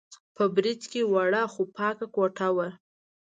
په برج کې وړه، خو پاکه کوټه وه.